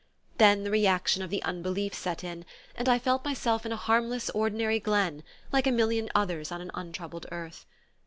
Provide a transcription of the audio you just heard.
Then the reaction of the unbelief set in, and I felt myself in a harmless ordinary glen, like a million others on an untroubled earth.